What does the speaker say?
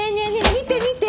見て見て！